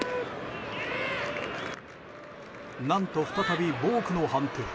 何と、再びボークの判定。